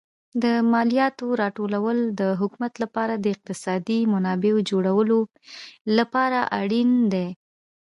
د مالیاتو راټولول د حکومت لپاره د اقتصادي منابعو جوړولو لپاره اړین دي.